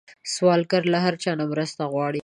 سوالګر له هر چا مرسته غواړي